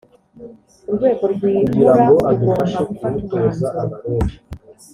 urwego rwimura rugomba gufata umwanzuro